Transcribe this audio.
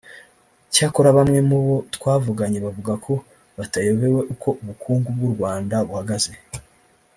Cyakora bamwe mu bo twavuganye bavuga ko batayobewe uko ubukungu bw’u Rwanda buhagaze